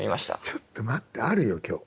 ちょっと待ってあるよ今日。